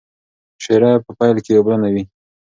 شیره په پیل کې اوبلنه وي.